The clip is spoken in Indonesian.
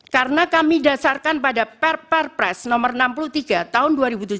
karena kami dasarkan pada perpres nomor enam puluh tiga tahun dua ribu tujuh belas